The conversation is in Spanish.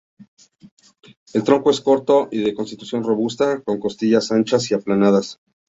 El tronco es corto y de constitución robusta, con costillas anchas y aplanadas.